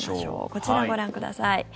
こちらをご覧ください。